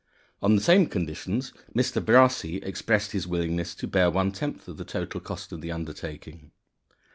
On the same conditions, Mr. Brassey expressed his willingness to bear one tenth of the total cost of the undertaking.